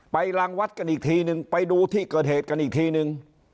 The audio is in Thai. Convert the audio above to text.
รางวัดกันอีกทีนึงไปดูที่เกิดเหตุกันอีกทีนึง